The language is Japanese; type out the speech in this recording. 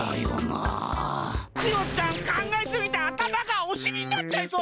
クヨちゃんかんがえすぎてあたまがおしりになっちゃいそう！